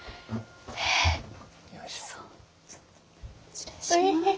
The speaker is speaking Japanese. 失礼します。